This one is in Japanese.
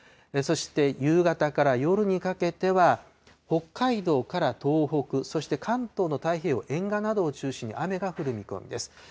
そして夕方から夜にかけては、北海道から東北、そして関東の太平洋沿岸などを中心に雨が降る見込みです。